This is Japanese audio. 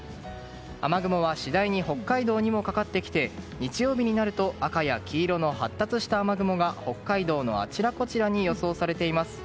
雨雲は次第に北海道にもかかってきて日曜日になると赤や黄色の発達した雨雲が北海道のあちらこちらに予想されています。